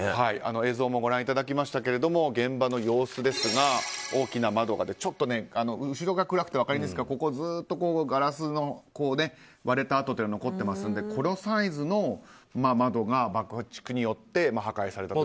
映像もご覧いただきましたが現場の様子、大きな窓があってちょっと、後ろが暗くて分かりにくいですがずっとガラスの割れたあとが残っていますので、このサイズの窓が爆竹によって破壊されたと。